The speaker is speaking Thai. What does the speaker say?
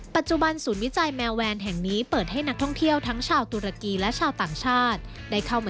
ปัจจุบันศูนย์วิจัยแมวแวร์นแห่งนี้เปิดให้นักท่องเที่ยวทั้งชาวตุรกีและชาวต่างชาติได้เข้ามาเยี่ยมชมรวมถึงเล่นกับแมวแวร์น